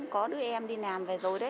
có đứa em đi làm về rồi đấy